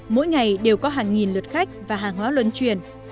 mỗi ngày đều có hàng nghìn lượt khách và hàng hóa luân truyền